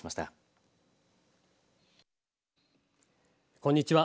こんにちは。